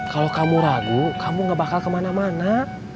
kalau kamu ragu kamu gak bakal kemana mana